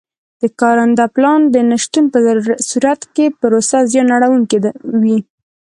د کارنده پلان د نه شتون په صورت کې پروسه زیان اړوونکې وي.